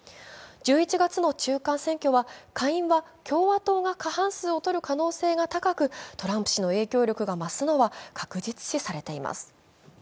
１１月の中間選挙は、下院は共和党が過半数をとる可能性が高くトランプ氏の影響力が増すのは確実視されています。